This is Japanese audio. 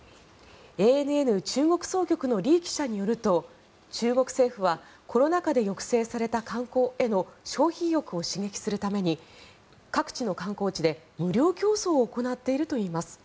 ＡＮＮ中国総局のリ記者によると中国政府はコロナ禍で抑制された観光への消費意欲を刺激するために各地の観光地で無料競争を行っているといいます。